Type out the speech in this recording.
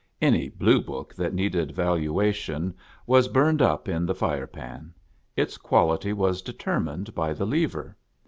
Any blue book that needed valuation was burned up in the fire pan. Its quality was deter mined by the lever.